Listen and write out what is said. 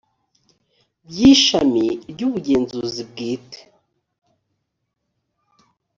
by ishami ry ubugenzuzi bwite